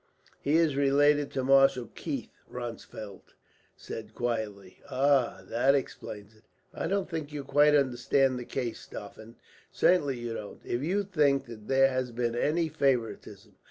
"He is related to Marshal Keith," Ronsfeldt said quietly. "Ah! That explains it." "I don't think you quite understand the case, Stauffen. Certainly you don't, if you think that there has been any favouritism.